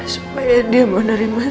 saya ingin menjadi orang baik